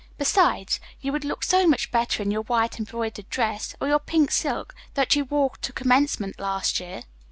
Besides, you would look so much better in your white embroidered dress, or your pink silk, that you wore to commencement last year."